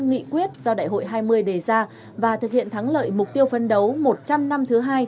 nghị quyết do đại hội hai mươi đề ra và thực hiện thắng lợi mục tiêu phấn đấu một trăm linh năm thứ hai